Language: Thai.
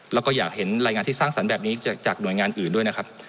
แล้วก็อยากเห็นรายงานที่สร้างสรรค์แบบนี้จากหน่วยงานอื่นด้วยนะครับ